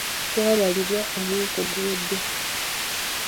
Twabalibwa omwaka oguwedde.